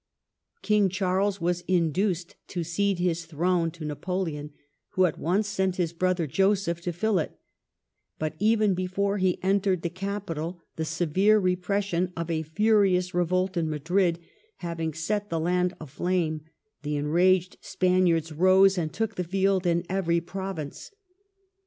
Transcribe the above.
King Charles was "induced" to cede his throne to Napoleon, who at once sent his brother Joseph to fill it; but even before he entered the capital the severe repression of a furious revolt in Madrid having set the land aflame, the enraged Spaniards rose and took the field in every province.